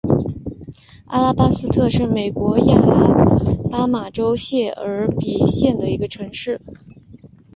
阿拉巴斯特是美国亚拉巴马州谢尔比县的一个城市。